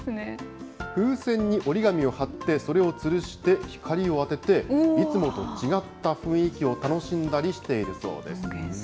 風船に折り紙を貼って、それをつるして、光を当てて、いつもと違った雰囲気を楽しんだりしているそうです。